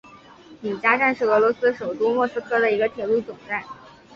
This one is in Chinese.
里加站是俄罗斯首都莫斯科的一个铁路总站。